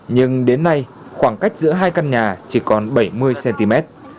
nhưng đến nay khoảng cách giữa hai căn nhà chỉ còn bảy mươi cm